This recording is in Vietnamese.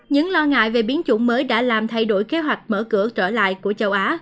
những lo ngại về biến chủng mới đã làm thay đổi kế hoạch mở cửa trở lại của châu á